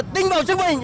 tin vào sức mạnh